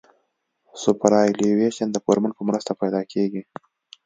سوپرایلیویشن د فورمول په مرسته پیدا کیږي